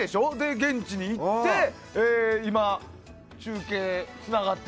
現地に行って今、中継がつながってて。